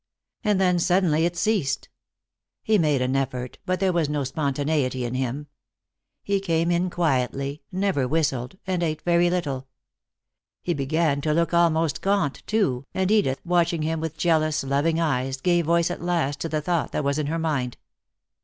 And then suddenly it ceased. He made an effort, but there was no spontaneity in him. He came in quietly, never whistled, and ate very little. He began to look almost gaunt, too, and Edith, watching him with jealous, loving eyes, gave voice at last to the thought that was in her mind.